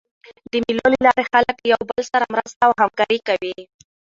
د مېلو له لاري خلک له یو بل سره مرسته او همکاري کوي.